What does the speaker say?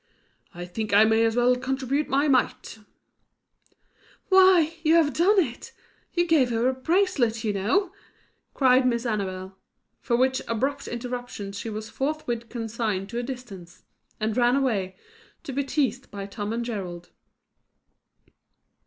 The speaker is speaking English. "I think I may as well contribute my mite " "Why, you have done it! You gave her a bracelet, you know," cried Miss Annabel. For which abrupt interruption she was forthwith consigned to a distance; and ran away, to be teased by Tom and Gerald.